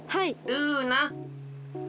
ルーナ？